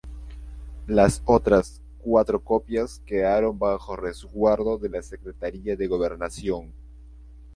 Las otras cuatro copias quedaron bajo resguardo de la Secretaría de Gobernación.